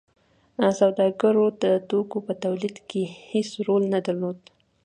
سوداګرو د توکو په تولید کې هیڅ رول نه درلود.